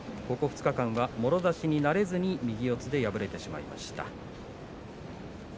ここ２日間はもろ差しになれずに右四つで敗れてしまいました。